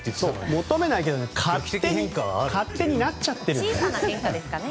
求めないけど勝手になっちゃってるんです。